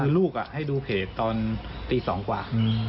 ลูกให้ดูเพจตอนตี๒กว่า